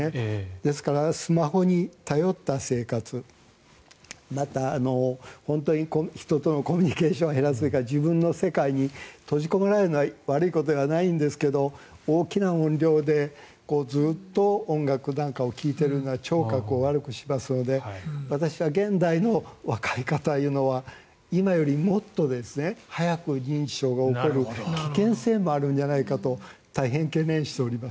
ですから、スマホに頼った生活また、本当に人とのコミュニケーションを減らすというか自分の世界に閉じこもるのは悪いことではないんですが大きな音量でずっと音楽なんかを聴いているのは聴覚を悪くしますので私は現代の若い方というのは今よりもっと早く認知症が起きる危険性もあるんじゃないかと大変懸念しております。